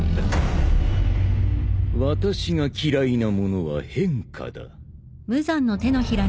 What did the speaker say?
私が嫌いなものは変化だ。